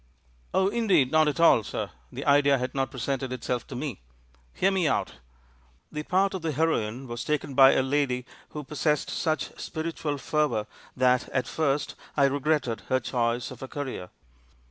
"Oh, indeed, not at all, sir — the idea had not presented itself to me. Hear me out ! The part of the heroine was taken by a lady who possessed such spiritual fervour that, at first, I regretted her choice of a career.